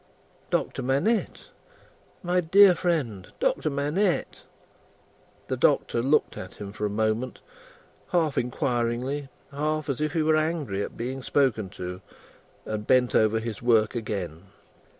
"Doctor Manette. My dear friend, Doctor Manette!" The Doctor looked at him for a moment half inquiringly, half as if he were angry at being spoken to and bent over his work again.